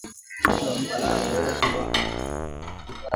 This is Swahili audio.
Haki ya mutu inabaki haki yake kila siku